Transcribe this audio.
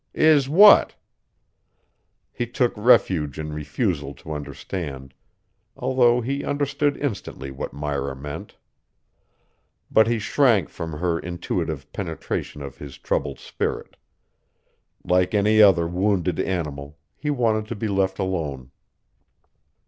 "Is what?" He took refuge in refusal to understand, although he understood instantly what Myra meant. But he shrank from her intuitive penetration of his troubled spirit. Like any other wounded animal, he wanted to be left alone.